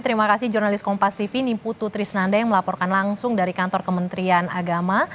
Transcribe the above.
terima kasih jurnalis kompas tv nimputu trisnanda yang melaporkan langsung dari kantor kementerian agama